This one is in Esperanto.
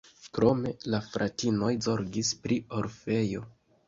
Krome la fratinoj zorgis pri orfejo.